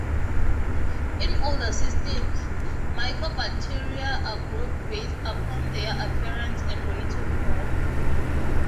In older systems, mycobacteria are grouped based upon their appearance and rate of growth.